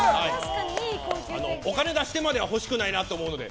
お金出してまでは欲しくないなと思うので。